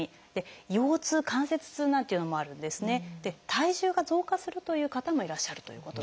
体重が増加するという方もいらっしゃるということ。